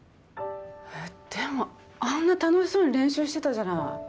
えっでもあんな楽しそうに練習してたじゃない。